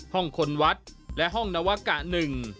ห้องคนวัดและห้องนวกะหนึ่ง